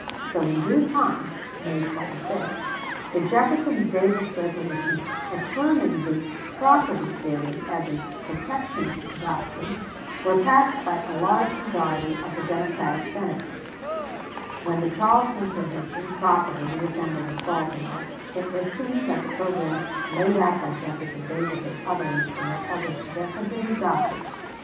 So in due time (May 25) the Jefferson Davis resolutions, affirming the "property" theory and the "protection" doctrine, were passed by a large majority of the Democratic Senators. June 18, 1860. When the Charleston Convention proper reassembled at Baltimore, it was seen that the programme laid out by Jefferson Davis and others in their published address had been adopted.